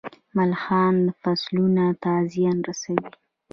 ملخان فصلونو ته زیان رسوي.